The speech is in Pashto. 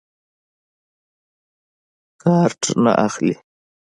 کارټ نه اخلي.